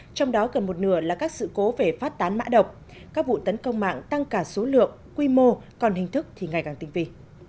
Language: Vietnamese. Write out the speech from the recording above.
trong đó gần một nửa là các sự cố về phát tán mã độc các vụ tấn công mạng tăng cả số lượng quy mô còn hình thức thì ngày càng tinh vi